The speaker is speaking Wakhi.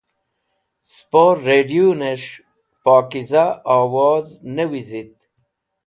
Spo radũwnẽs̃h pokiza owoz ne wizit.